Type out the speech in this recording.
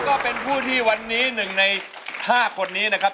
ก็เป็นผู้ที่วันนี้๑ใน๕คนนี้นะครับ